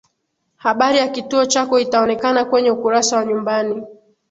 habari ya kituo chako itaonekana kwenye ukurasa wa nyumbani